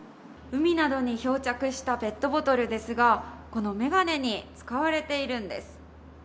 海などに漂着したペットボトルですが、この眼鏡に使われているんです。